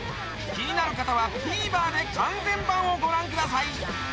気になる方はＴＶｅｒで完全版をご覧ください